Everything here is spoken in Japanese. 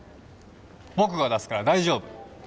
僕が出すから大丈夫。